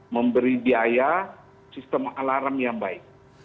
memberi biaya sistem alarm yang baik